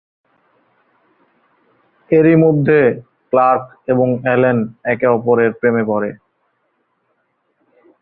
এরই মধ্যে, ক্লার্ক এবং অ্যালেন একে অপরের প্রেমে পরে।